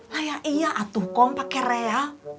lah iya iya atuh kom pakai real